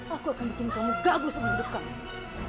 aku akan bikin kamu gagus sama hidup kamu